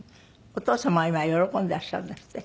お父様は今喜んでいらっしゃるんですって？